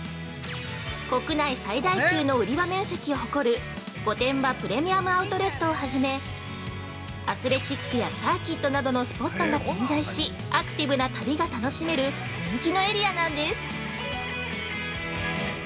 国内最大級の売り場面積を誇る御殿場プレミアム・アウトレットをはじめ、アスレチックやサーキットなどのスポットが点在し、アクティブな旅が楽しめる人気のエリアなんです。